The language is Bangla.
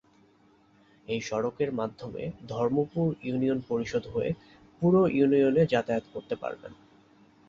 এই সড়কের মাধ্যমে ধর্মপুর ইউনিয়ন পরিষদ হয়ে পুর ইউনিয়ন এ যাতায়াত করতে পারবেন।